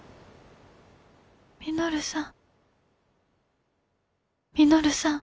稔さん。